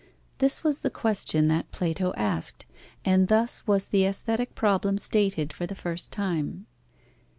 This was the question that Plato asked, and thus was the aesthetic problem stated for the first time.